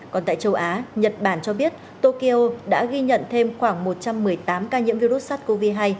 còn tại châu á nhật bản cho biết tokyo đã ghi nhận thêm khoảng một trăm một mươi tám ca nhiễm virus sars cov hai